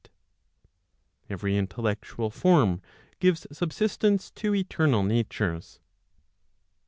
Every intellectual form gives subsistence to eternal natures.